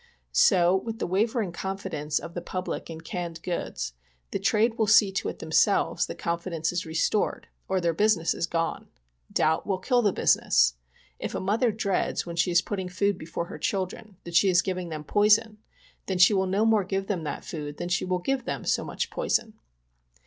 So with the wavering confidence of the public in canned goods, the trade will see to it themselves that confidence is restored or their business is gone. Doubt will kill the business. If a mother dreads when she is putting food before her children that she is giving them poison, then she will no more give them that food than she will give them so much poison.